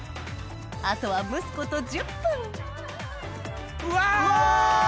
あとは蒸すこと１０分うわ！